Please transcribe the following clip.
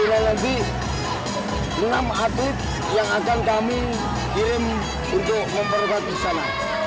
dan mungkin nanti enam atlet yang akan kami kirim untuk memperluas di sana